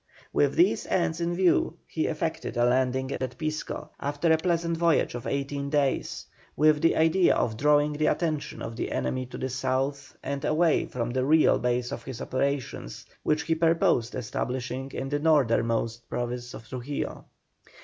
With these ends in view he effected a landing at Pisco, after a pleasant voyage of eighteen days, with the idea of drawing the attention of the enemy to the south and away from the real base of his operations, which he purposed establishing in the northernmost province of Trujillo.